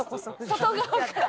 外側から。